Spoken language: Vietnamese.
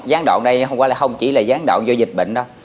gián đoạn đây không chỉ là gián đoạn do dịch bệnh đâu